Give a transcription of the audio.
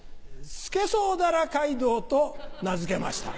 スケソウダラ街道と名付けました。